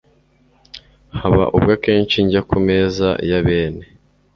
Haba ubwo akenshi njya ku meza ya bene